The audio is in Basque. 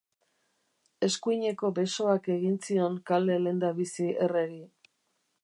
Eskuineko besoak egin zion kale lehendabizi Erreri.